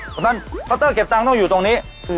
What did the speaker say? เพราะฉะนั้นเคาน์เตอร์เก็บตังค์ต้องอยู่ตรงนี้